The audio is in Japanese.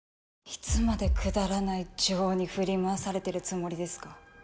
いつまでくだらない情に振り回されてるつもりですか？